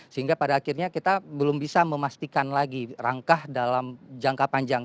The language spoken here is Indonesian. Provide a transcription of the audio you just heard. sehingga pada akhirnya kita belum bisa memastikan lagi rangka dalam jangka panjang